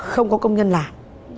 không có công nhân làm